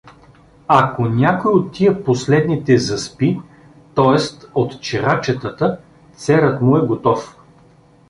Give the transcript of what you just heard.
Ако някой от тия последните заспи, т.е. от чирачетата, церът му е готов.